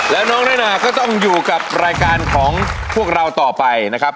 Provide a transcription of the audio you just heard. แล้วน้องน้อยนาก็ต้องอยู่กับรายการของพวกเราต่อไปนะครับ